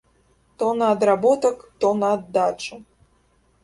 То на адработак, то на аддачу.